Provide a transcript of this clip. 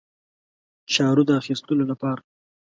چارو د اخیستلو لپاره.